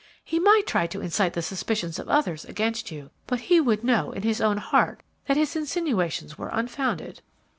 "He might try to incite the suspicions of others against you, but he would know in his own heart that his insinuations were unfounded."